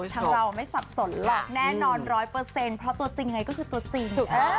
เราไม่สับสนหรอกแน่นอน๑๐๐เพราะตัวจริงไงก็คือตัวจริง